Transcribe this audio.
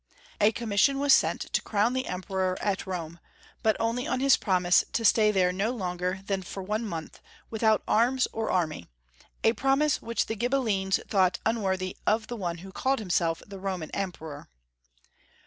A commission was sent to crown the Emperor at Rome, but only on his promise to stay there no longer than for one month, without arms or army. 217 218 ' Young FoIIcb^ SRstory of Qtrmany. a promise which the Ghibellines thought unworthy of one who called himself the Roman Emperor.